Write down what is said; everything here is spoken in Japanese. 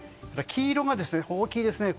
黄色が大きいですね。